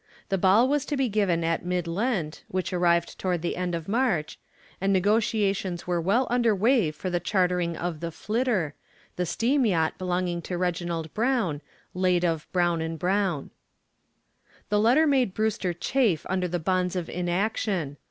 The ball was to be given at mid Lent, which arrived toward the end of March, and negotiations were well under way for the chartering of the "Flitter," the steam yacht belonging to Reginald Brown, late of Brown & Brown. The letter made Brewster chafe under the bonds of inaction.